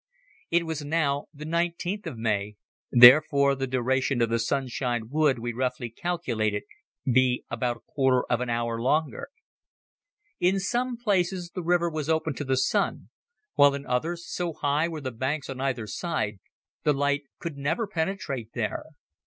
It was now the nineteenth of May, therefore the duration of the sunshine would, we roughly calculated, be about a quarter of an hour longer. In some places the river was open to the sun, while in others, so high were the banks on either side, the light could never penetrate there.